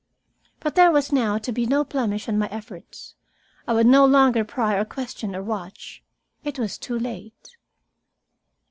But there was now to be no blemish on my efforts. I would no longer pry or question or watch. It was too late.